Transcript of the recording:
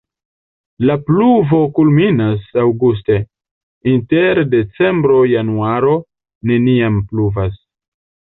La pluvo kulminas aŭguste, inter decembro-januaro neniam pluvas.